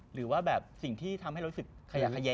หรือว่าแบบสิ่งที่ทำให้รู้สึกขยะ